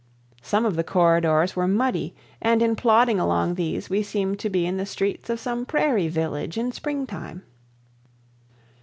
Some of the corridors were muddy, and in plodding along these we seemed to be in the streets of some prairie village in spring time.